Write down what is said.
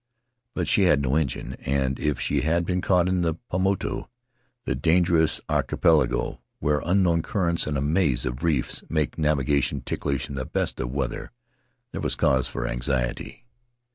But she had no engine, and if she had been caught in the Paumotu — the Dangerous Archipelago, where unknown currents and a maze of reefs make navigation ticklish in the best of weather — there was cause for anxiety.